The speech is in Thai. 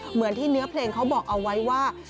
เหมือนที่เนื้อเพลงเขาบอกเอาไว้ว่า